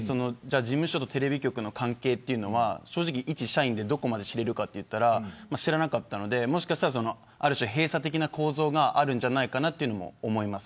事務所とテレビ局の関係はいち社員でどこまで知れるかというと知らなかったのである種、閉鎖的な構造があるんじゃないかとも思います。